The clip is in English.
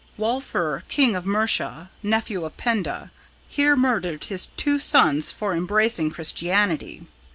Wulfere, King of Mercia, nephew of Penda, here murdered his two sons for embracing Christianity.